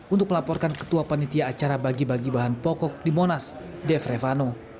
untuk melaporkan ketua panitia acara bagi bagi bahan pokok di monas dev revano